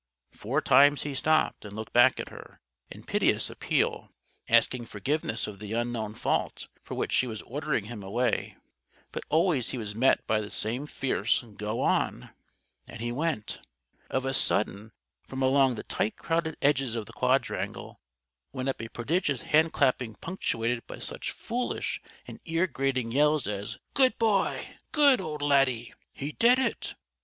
Four times he stopped and looked back at her, in piteous appeal, asking forgiveness of the unknown fault for which she was ordering him away; but always he was met by the same fierce "Go on!" And he went. Of a sudden, from along the tight crowded edges of the quadrangle, went up a prodigious handclapping punctuated by such foolish and ear grating yells as "Good boy!" "Good old Laddie!" "He did it!"